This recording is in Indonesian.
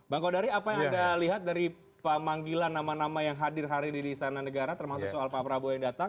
bang kodari apa yang anda lihat dari pemanggilan nama nama yang hadir hari ini di istana negara termasuk soal pak prabowo yang datang